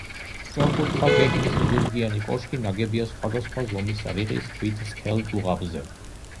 სწორკუთხა გეგმის ზურგიანი კოშკი, ნაგებია სხვადასხვა ზომის რიყის ქვით სქელ დუღაბზე.